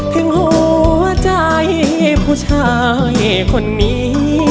ถึงหัวใจผู้ชายคนนี้